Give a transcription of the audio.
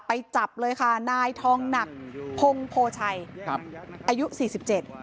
ไปจับเลยค่ะนายทองหนักพงโพชัยครับอายุสี่สิบเจ็ด